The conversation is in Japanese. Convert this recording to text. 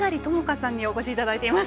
さんにお越しいただいています。